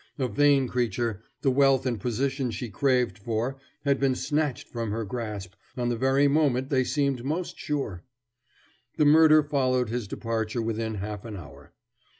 A vain creature, the wealth and position she craved for had been snatched from her grasp on the very moment they seemed most sure. The murder followed his departure within half an hour.